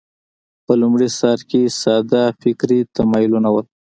په لومړي سر کې ساده فکري تمایلونه وو